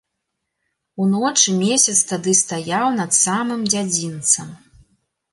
Уночы месяц тады стаяў над самым дзядзінцам.